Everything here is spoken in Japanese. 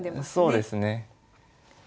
そうですね。